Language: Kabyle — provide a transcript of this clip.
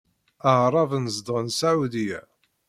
Aɛṛaben zedɣen Saɛudya.